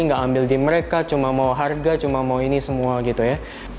nggak ambil di mereka cuma mau harga cuma mau ini semua gitu ya